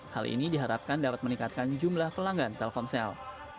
hal ini diharapkan dapat meningkatkan jumlah pelanggan telkomsel